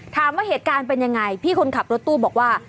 เหตุการณ์เป็นยังไงพี่คนขับรถตู้บอกว่า